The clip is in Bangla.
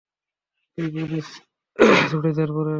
কেউ কলেজে চুড়িদার পরে আসে?